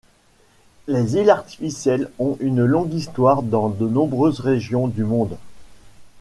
Les îles artificielles ont une longue histoire dans de nombreuses régions du monde.